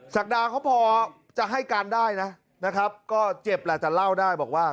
ศักดาเขาพอจะให้การได้นะนะครับก็เจ็บแหละแต่เล่าได้บอกว่า